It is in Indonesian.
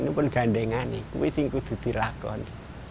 ini pun gandengani ini yang harus dilakukan